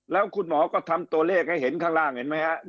แล้วคุณหมอก็ทำตัวเลขให้เห็นข้างล่างเห็นไหมครับ